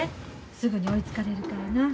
すぐに追いつかれるからな。